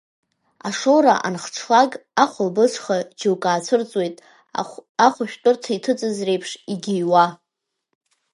Ашоура анхҽлак, ахулбыҽха, џьоук аацәырҵуеит, ахушәтәырҭа иҭыҵыз реиԥш игиуа…